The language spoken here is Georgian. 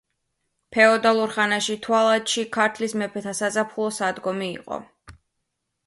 ფეოდალურ ხანაში თვალადში ქართლის მეფეთა საზაფხულო სადგომი იყო.